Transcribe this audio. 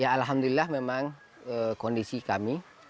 ya alhamdulillah memang kondisi kami